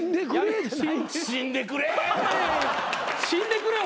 「死んでくれ」